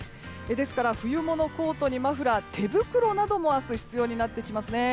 ですから、冬物コートにマフラー、手袋なども明日、必要になってきますね。